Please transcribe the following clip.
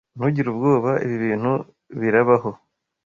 Ntugire ubwoba. Ibi bintu birabaho.